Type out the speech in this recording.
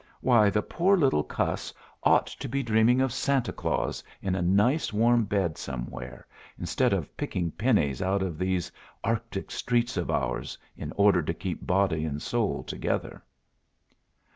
Why, the poor little cuss ought to be dreaming of Santa Claus in a nice warm bed somewhere, instead of picking pennies out of these arctic streets of ours, in order to keep body and soul together."